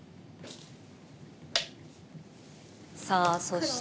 さあそして。